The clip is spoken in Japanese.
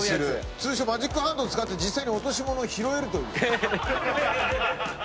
通称マジックハンドを使って実際に落とし物を拾えるという。